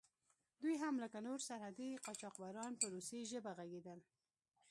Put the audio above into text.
دوی هم لکه نور سرحدي قاچاقبران په روسي ژبه غږېدل.